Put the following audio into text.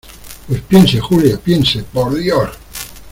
pues piense, Julia , piense , por Dios.